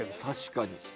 確かに。